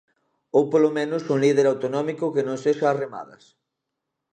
Ou polo menos un líder autonómico que non sexa Arrimadas.